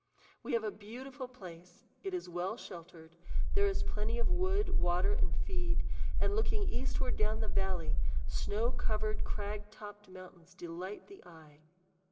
We have a beautiful place: it is well sheltered; there is plenty of wood, water, and feed; and, looking eastward down the valley, snow covered, crag topped mountains delight the eye.